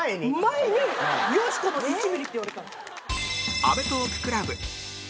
前に「よしこの１ミリ」って言われてたんですよ。